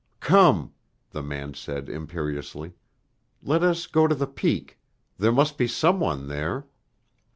"Come," the man said imperiously. "Let us go to the Peak. There must be some one there."